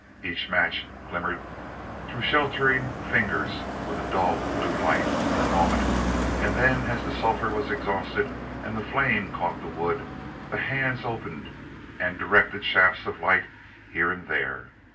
Each match glimmered through sheltering fingers with dull blue light, for a moment, and then as the sulphur was exhausted and the flame caught the wood, the hands opened and directed shafts of light here and there.